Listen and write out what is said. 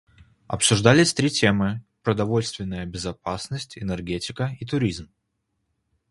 Обсуждались три темы: продовольственная безопасность, энергетика и туризм.